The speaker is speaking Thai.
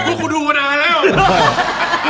ลูกคุณดูมานานแล้ว